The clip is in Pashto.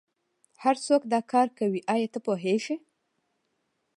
هرڅوک دا کار کوي ایا ته پوهیږې